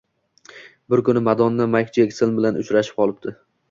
Bir kuni Madonna Maykl Jekson bilan uchrashib qolibdi